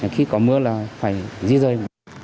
khi có mưa là phải di rời